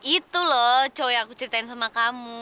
itu loh cowok yang aku ceritain sama kamu